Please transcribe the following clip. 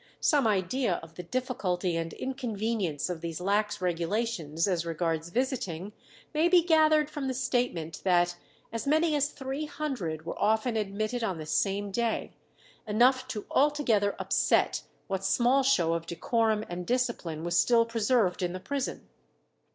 Some idea of the difficulty and inconvenience of these lax regulations as regards visiting, may be gathered from the statement that as many as three hundred were often admitted on the same day enough to altogether upset what small show of decorum and discipline was still preserved in the prison.